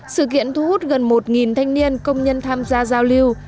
sự kiện thu hút gần một thanh niên công nhân tham gia giao lưu